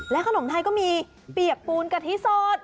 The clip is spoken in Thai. ขนมไทยก็มีเปียกปูนกะทิสด